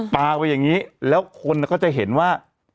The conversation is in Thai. ปลาไปอย่างนี้แล้วคนก็จะเห็นว่า